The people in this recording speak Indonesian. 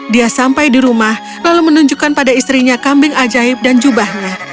dia sampai di rumah lalu menunjukkan pada istrinya kambing ajaib dan jubahnya